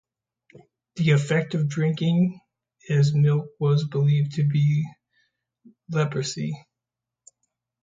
The effect of drinking its milk was believed to be leprosy.